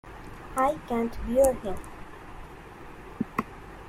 I can't bear him.